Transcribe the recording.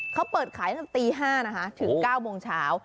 เขาเปิดขายตั้งแต่ตี๕นะคะถึง๙โมงเช้า